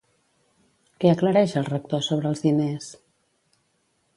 Què aclareix el Rector sobre els diners?